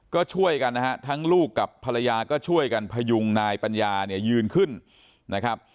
ก็ช่วยกันนะฮะทั้งลูกกับภรรยาก็ช่วยกันพยุงนายปัญญาเนี่ยยืนขึ้นนะครับ